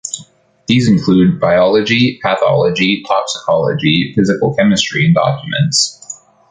These included biology, pathology, toxicology, physical chemistry and documents.